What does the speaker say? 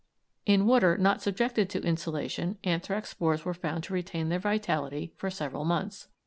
In water not subjected to insolation anthrax spores were found to retain their vitality for several months.